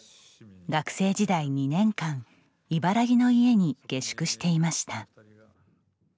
学生時代２年間茨木の家に下宿していました。